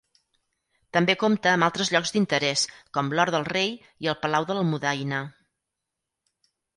També compta amb altres llocs d'interès com l'Hort del Rei i el Palau de l'Almudaina.